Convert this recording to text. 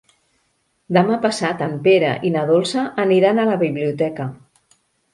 Demà passat en Pere i na Dolça aniran a la biblioteca.